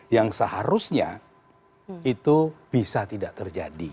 yang seharusnya itu bisa tidak terjadi